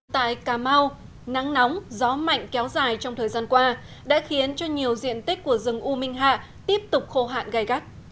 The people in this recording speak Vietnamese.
tại cà mau nắng nóng gió mạnh kéo dài trong thời gian qua đã khiến cho nhiều diện tích của rừng u minh hạ tiếp tục khô hạn gai gắt